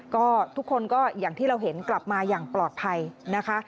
ก็ทุกคนก็อย่างที่เราเห็นกลับมาอย่างปลอดภัยนะคะ